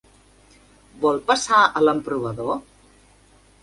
Vol passar a l'emprovador?